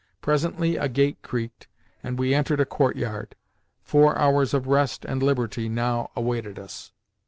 Presently a gate creaked, and we entered a courtyard. Four hours of rest and liberty now awaited us.